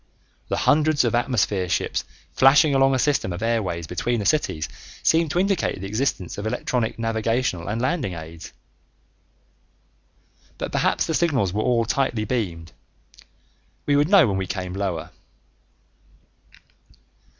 The hundreds of atmosphere ships flashing along a system of airways between the cities seemed to indicate the existence of electronic navigational and landing aids. But perhaps the signals were all tightly beamed; we would know when we came lower.